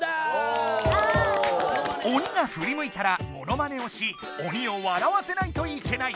おにがふりむいたらモノマネをしおにを笑わせないといけない。